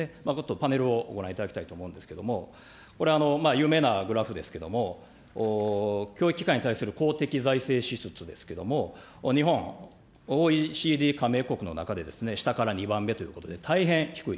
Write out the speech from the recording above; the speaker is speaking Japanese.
パネルをご覧いただきたいと思うんですけれども、これ、有名なグラフですけれども、教育機関に対する公的財政支出ですけども、日本、ＯＥＣＤ加盟国の中で下から２番目ということで、大変低い。